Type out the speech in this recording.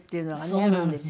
そうなんですよ。